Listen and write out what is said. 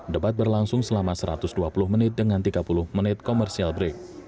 debat berlangsung selama satu ratus dua puluh menit dengan tiga puluh menit komersial break